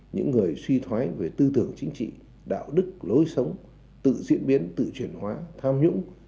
những người suy thoái về tư tưởng chính trị đạo đức lối sống tự diễn biến tự chuyển hóa tham nhũng